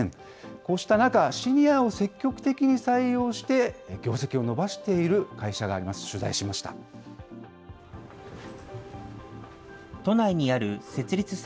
こうした中、シニアを積極的に採用して、業績を伸ばしている会社があります。